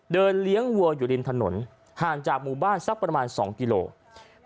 เลี้ยงวัวอยู่ริมถนนห่างจากหมู่บ้านสักประมาณ๒กิโลกรัม